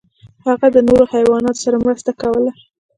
هغه د نورو حیواناتو سره مرسته کوله.